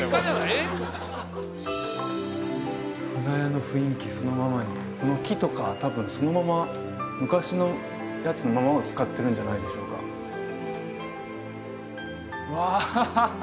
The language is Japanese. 舟屋の雰囲気そのままにこの木とか多分そのまま昔のやつのままを使ってるんじゃないでしょうかうわ